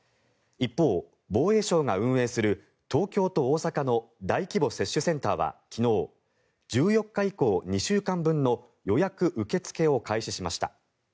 一方、防衛省が運営する東京と大阪の大規模接種センターは昨日１４日以降２週間分の予約受け付けを開始しました。